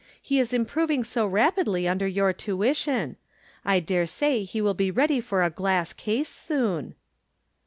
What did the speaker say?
He is improving so rapidly under your tuition! I dare say he will be ready for a glass case soon